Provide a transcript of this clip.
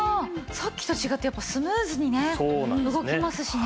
さっきと違ってやっぱスムーズにね動きますしね。